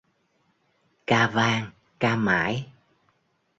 Ca vang ca mãi